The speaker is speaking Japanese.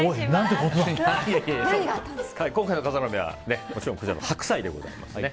今回の笠原の眼はもちろん、この白菜でございます。